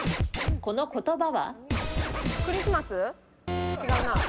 この言葉は？